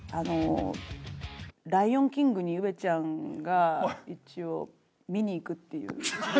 『ライオンキング』に上ちゃんが一応見に行くっていう。